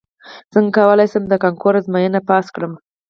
څنګه کولی شم د کانکور ازموینه پاس کړم